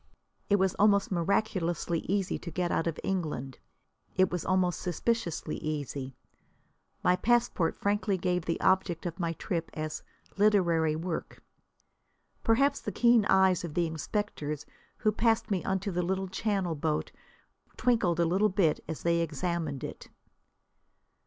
It was almost miraculously easy to get out of England. It was almost suspiciously easy. My passport frankly gave the object of my trip as "literary work." Perhaps the keen eyes of the inspectors who passed me onto the little channel boat twinkled a bit as they examined it.